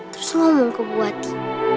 terus omong kebuati